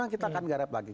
kita akan garap lagi